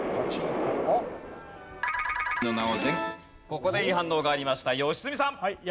ここでいい反応がありました良純さん。